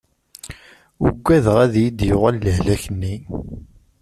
Uggadeɣ ad iyi-d-yuɣal lehlak-nni.